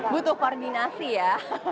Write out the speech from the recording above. butuh koordinasi ya